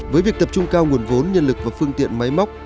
với việc tập trung cao nguồn vốn nhân lực và phương tiện máy móc